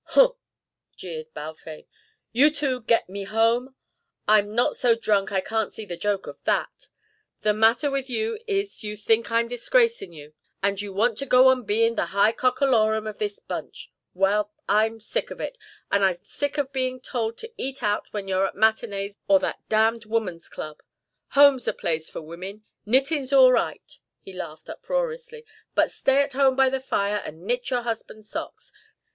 "Huh!" jeered Balfame, "you two get me home! I'm not so drunk I can't see the joke of that. The matter with you is you think I'm disgracin' you, and you want to go on bein' the high cock alorum of this bunch. Well, I'm sick of it, and I'm sick of bein' told to eat out when you're at matinées or that damned Woman's Club. Home's the place for women. Knittin's all right." He laughed uproariously. "But stay at home by the fire and knit your husband's socks.